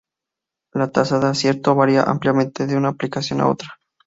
La tasa de acierto varía ampliamente de una aplicación a otra.